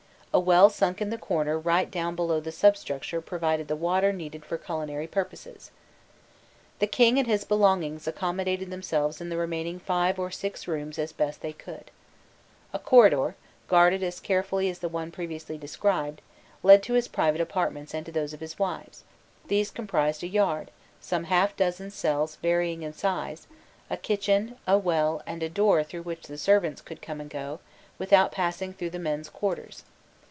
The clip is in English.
A well sunk in the corner right down below the substructure provided the water needed for culinary purposes. The king and his belongings accommodated themselves in the remaining five or six rooms as best they could. A corridor, guarded as carefully as the one previously described, led to his private apartments and to those of his wives: these comprised a yard, some half dozen cells varying in size, a kitchen, a well, and a door through which the servants could come and go, without passing through the men's quarters.